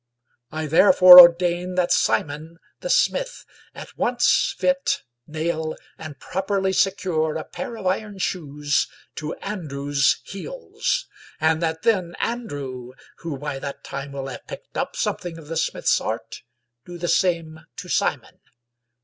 I therefore ordain that Simon, the smith, at once fit, nail, and properly secure a pair of iron shoes to Andrew's heels, and that then Andrew, who by that time will have picked up something of the smith's art, do the same to Simon.